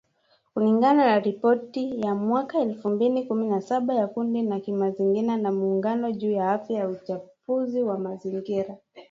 Kulingana na ripoti ya mwaka elfu mbili kumi na saba ya kundi la kimazingira la Muungano juu ya Afya na Uchafuzi wa mazingira